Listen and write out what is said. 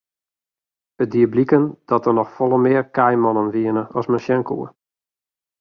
It die bliken dat der noch folle mear kaaimannen wiene as men sjen koe.